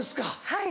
はい。